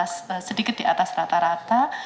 sedikit di atas rata rata